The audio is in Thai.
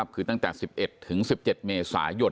คือตั้งแต่๑๑ถึง๑๗เมษายน